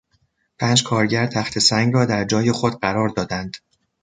پنج کارگر تخته سنگ را در جای خود قرار دادند.